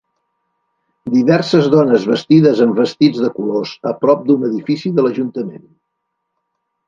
Diverses dones vestides amb vestits de colors a prop d'un edifici de l'Ajuntament.